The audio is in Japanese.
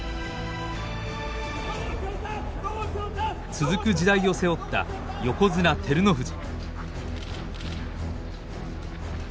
続く時代を背負った横綱照ノ富士。